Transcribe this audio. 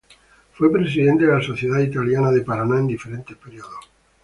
Fue presidente de la Sociedad Italiana de Paraná en diferentes períodos.